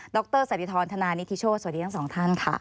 รสันติธรธนานิทิโชธสวัสดีทั้งสองท่านค่ะ